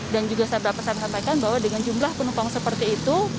dan juga saya berapa saya menyampaikan bahwa dengan jumlah penumpang seperti itu